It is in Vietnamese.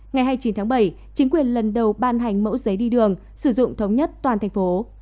ngày hai mươi chín tháng bảy chính quyền lần đầu ban hành mẫu giấy đi đường sử dụng thống nhất toàn thành phố